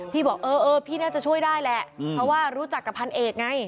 บอกเออพี่น่าจะช่วยได้แหละเพราะว่ารู้จักกับพันเอกไง